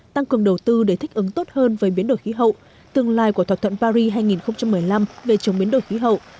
tăng cường đầu tư để thích ứng tốt hơn với biến đổi khí hậu tương lai của thỏa thuận paris hai nghìn một mươi năm về chống biến đổi khí hậu